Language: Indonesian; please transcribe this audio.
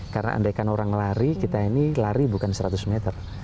karena andaikan orang lari kita ini lari bukan seratus meter